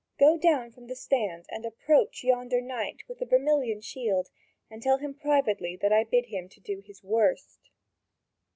Go down from the stand, and approach yonder knight with the vermilion shield, and tell him privately that I bid him do his 'worst'."